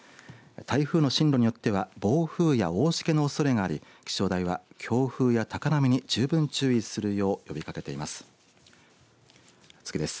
台風の進路によっては暴風や大しけのおそれがあり気象台は暴風や高波に十分注意するよう呼びかけています。